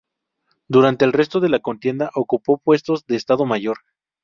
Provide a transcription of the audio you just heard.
Durante el resto de la contienda ocupó puestos de Estado Mayor.